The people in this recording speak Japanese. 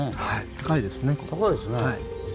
高いですね。